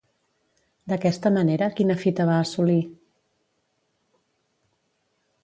D'aquesta manera, quina fita va assolir?